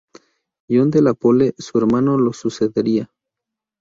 John de la Pole, su hermano, lo sucedería.